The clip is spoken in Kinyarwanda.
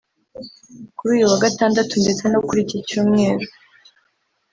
Kuri uyu wagatandatu ndetse no kuri iki cyumweru